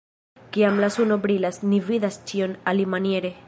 Kiam la suno brilas, ni vidas ĉion alimaniere.